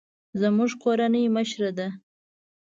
زموږ کورنۍ مشره ده